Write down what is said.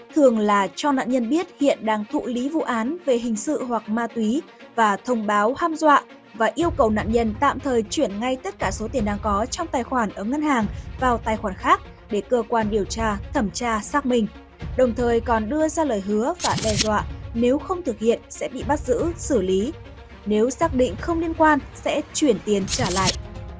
thường là cho nạn nhân biết hiện đang thụ lý vụ án về hình sự hoặc ma túy và thông báo ham dọa và yêu cầu nạn nhân tạm thời chuyển ngay tất cả số tiền đang có trong tài khoản ở ngân hàng vào tài khoản khác để cơ quan điều tra thẩm tra xác minh đồng thời còn đưa ra lời hứa và đe dọa nếu không thực hiện sẽ bị bắt giữ xử lý nếu xác định không liên quan sẽ chuyển tiền trả lại